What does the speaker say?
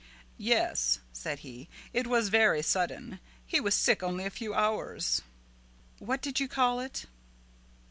"Yes," said he, "it was very sudden. He was sick only a few hours." "What did you call it?"